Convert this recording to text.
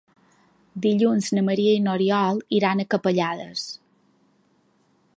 Dilluns na Maria i n'Oriol iran a Capellades.